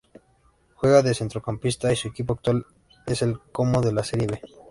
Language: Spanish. Juega de centrocampista y su equipo actual es el Como de la Serie B